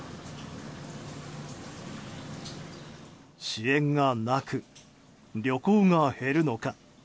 支援がなく旅行が減るのか？